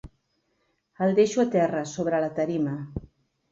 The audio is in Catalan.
El deixo a terra sobre la tarima.